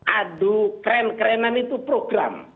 aduh keren kerenan itu program